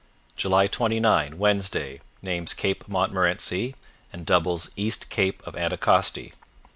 " 29 Wednesday Names Cape Montmorency and doubles East Cape of Anticosti.